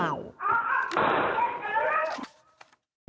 ไอ้